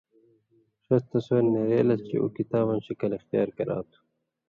ݜس تصُور نېرے لَس چے اُو کِتاباں شکل اِختیار کرا تُھو